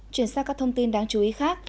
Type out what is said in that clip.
chuyển sang các thông tin đáng chú ý khác